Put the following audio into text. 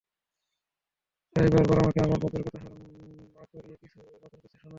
তাই বার বার আমাকে আমার পাপের কথা স্মরণ না করিয়ে, নতুন কিছু শোনান।